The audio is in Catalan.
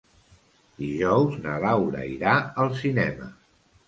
Dijous na Laura irà al cinema.